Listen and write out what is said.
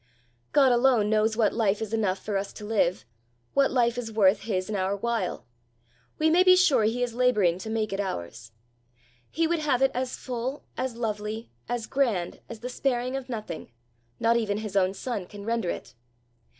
God alone knows what life is enough for us to live what life is worth his and our while; we may be sure he is labouring to make it ours. He would have it as full, as lovely, as grand, as the sparing of nothing, not even his own son, can render it.